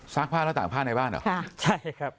ซากผ้าแล้วตากผ้าในบ้านเหรอ